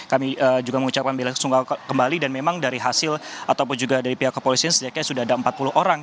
kami juga mengucapkan bela sungkawa kembali dan memang dari hasil ataupun juga dari pihak kepolisian sejaknya sudah ada empat puluh orang